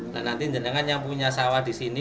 dan nanti jadikan yang punya sawah disini